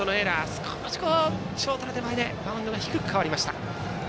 少しショートの手前でバウンドが低く変わりました。